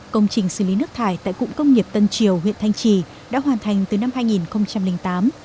công trình xử lý nước thải tại cụng công nghiệp tân triều huyện thanh trì đã hoàn thành từ năm hai nghìn tám